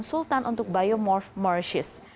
konsultan untuk biomorph mauritius